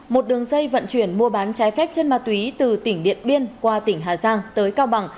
một đường dây vận chuyển mua bán trái phép chân ma túy từ tỉnh điện biên qua tỉnh hà giang tới cao bằng